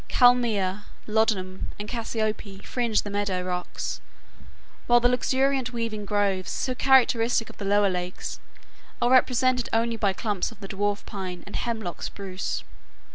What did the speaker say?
Kalmia, lodum, and cassiope fringe the meadow rocks, while the luxuriant, waving groves, so characteristic of the lower lakes, are represented only by clumps of the Dwarf Pine and Hemlock Spruce.